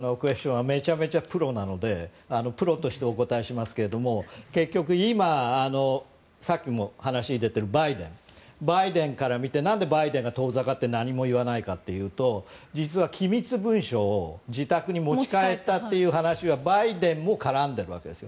それは大下容子さんのクエスチョンはめちゃめちゃプロなのでプロとしてお答えしますが結局、今さっきも話に出ているバイデンバイデンから見てなんでバイデンが遠ざかって何も言わないかっていうと実は機密文書を自宅に持ち帰ったという話はバイデンも絡んでいるわけです。